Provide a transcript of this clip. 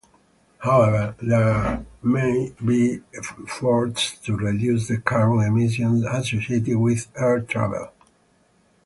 However, there may be efforts to reduce the carbon emissions associated with air travel.